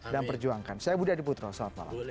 dan perjuangkan saya budi adiputro